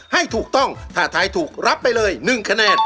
ให้ถูกต้องถ้าทายถูกรับไปเลย๑คะแนน